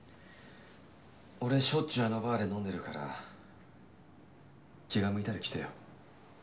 俺しょっちゅうあのバーで飲んでるから気が向いたら来てよ。